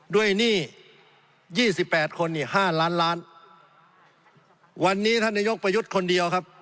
ด้วยนี่๒๘คนเนี่ย๕ล้านล้านวันนี้ท่านนโยคประยุทธ์คนเดียวครับ